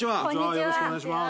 よろしくお願いします。